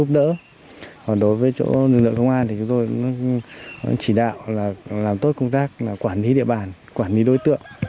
đối với chỗ nữ nữ công an thì chúng tôi chỉ đạo là làm tốt công tác quản lý địa bàn quản lý đối tượng